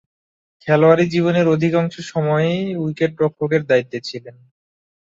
খেলোয়াড়ী জীবনের অধিকাংশ সময়েই উইকেট-রক্ষকের দায়িত্বে ছিলেন।